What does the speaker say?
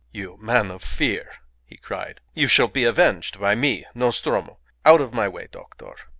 "You man of fear!" he cried. "You shall be avenged by me Nostromo. Out of my way, doctor!